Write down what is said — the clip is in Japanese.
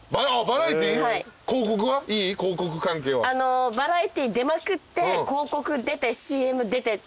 バラエティー出まくって広告出てＣＭ出てっていう。